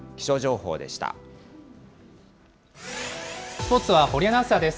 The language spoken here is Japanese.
スポーツは堀アナウンサーです。